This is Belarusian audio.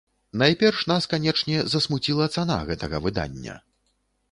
Найперш нас, канечне, засмуціла цана гэтага выдання.